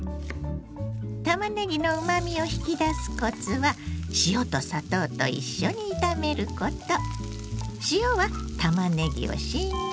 たまねぎのうまみを引き出すコツは塩と砂糖と一緒に炒めること。